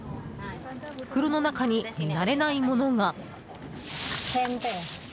袋の中に、見慣れないものが。